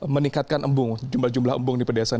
meningkatkan embung jumlah jumlah embung di pedesaan